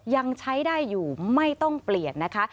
ยังใช้ได้อยู่ไม่ต้องเปลี่ยนนะคะ